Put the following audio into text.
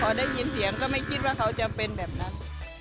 พอได้ยินเสียงก็ไม่คิดว่าเขาจะเป็นแบบนั้น